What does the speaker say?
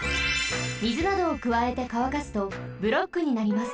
みずなどをくわえてかわかすとブロックになります。